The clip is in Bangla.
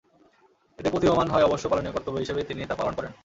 এতে প্রতীয়মান হয়, অবশ্য পালনীয় কর্তব্য হিসেবেই তিনি তা পালন করেন।